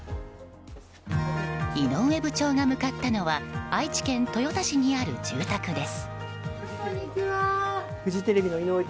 井上部長が向かったのは愛知県豊田市にある住宅です。